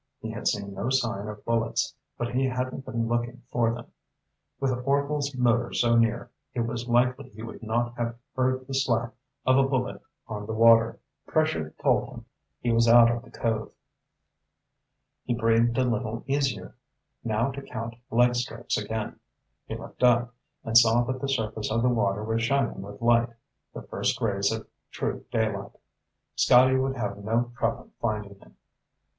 He had seen no sign of bullets, but he hadn't been looking for them. With Orvil's motor so near, it was likely he would not have heard the slap of a bullet on the water. Pressure told him he was out of the cove. He breathed a little easier. Now to count leg strokes again. He looked up, and saw that the surface of the water was shining with light, the first rays of true daylight. Scotty would have no trouble finding him.